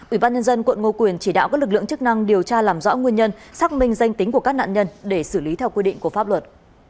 ủy ban nhân dân quận ngô quyền chỉ đạo các lực lượng chức năng điều tra làm rõ nguyên nhân xác minh danh tính của các nạn nhân để xử lý theo quy định của pháp luật